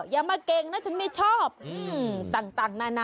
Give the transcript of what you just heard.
อย่ามาเก่งนะฉันไม่ชอบต่างนานา